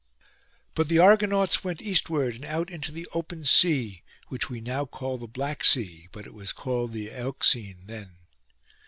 But the Argonauts went eastward, and out into the open sea, which we now call the Black Sea, but it was called the Euxine then.